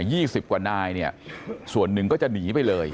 สิบกว่านายเนี่ยส่วนหนึ่งก็จะหนีไปเลย